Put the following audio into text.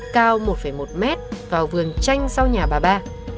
cao một một m vào vườn chanh sau nhà bà ba